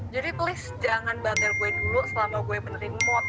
jadi please jangan banter gue dulu selama gue menering mot